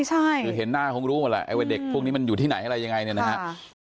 คือเห็นหน้าคงรู้หมดแหละไอ้ว่าเด็กพวกนี้มันอยู่ที่ไหนอะไรยังไงเนี่ยนะครับ